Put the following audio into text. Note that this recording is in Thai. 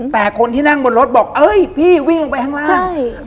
แต่คนที่นั่งบนรถบอกเอ้ยพี่วิ่งลงไปข้างล่าง